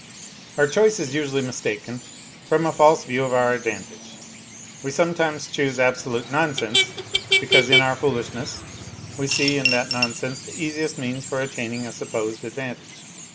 " Our choice is usually mistaken from a false view of our advantage. We sometimes choose absolute nonsense because in our foolishness we see in that nonsense the easiest means for attaining a supposed advantage.